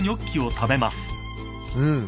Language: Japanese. うん。